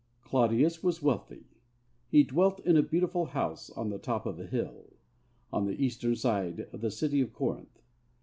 I Claudius was wealthy. He dwelt in a beautiful house on the top of a hill, on the eastern side of the city of Corinth.